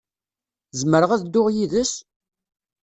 Zemreɣ ad dduɣ yid-s?